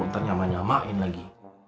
ntar nyamain nyamain lagi